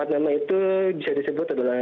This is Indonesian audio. nama itu bisa disebut adalah